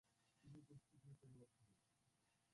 তিনি কুস্তিগীর পরিবার থেকে এসেছেন।